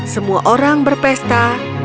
semua orang berpesta